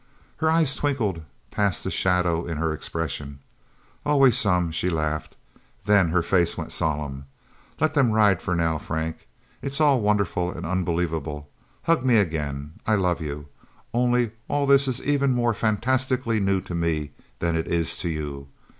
Her eyes twinkled past the shadow in her expression. "Always some," she laughed. Then her face went solemn. "Let them ride, for now, Frank. It's all wonderful and unbelievable. Hug me again I love you. Only all this is even more fantastically new to me than it is to you.